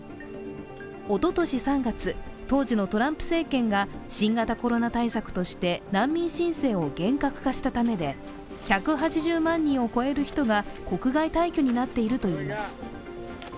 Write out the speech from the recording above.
おととし３月、当時のトランプ政権が新型コロナ対策として難民申請を厳格化したためで１８０万人を超える人が国外退去になっているといいます。